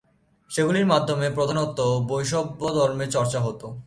সেগুলির মাধ্যমে প্রধানত বৈষ্ণবধর্মের চর্চা হতো।